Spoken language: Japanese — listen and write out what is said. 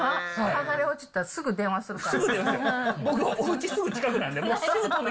剥がれ落ちたらすぐ電話するから。